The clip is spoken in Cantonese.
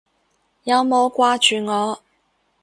有冇掛住我？